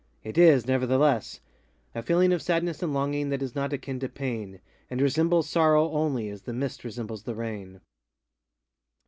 It is, nevertheless, A feeling of sadness and longing That is not akin to pain, And resembles sorrow only As the mist resembles the rain.